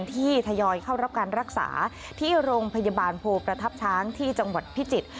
ทยอยเข้ารับการรักษาที่โรงพยาบาลโพประทับช้างที่จังหวัดพิจิตร